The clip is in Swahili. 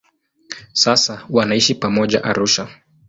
Sasa wanaishi pamoja Arusha.